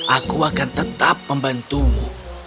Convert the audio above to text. aku akan tetap membantumu